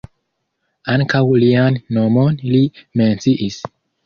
Ankaŭ lian nomon li menciis.